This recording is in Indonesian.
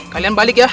kalian balik ya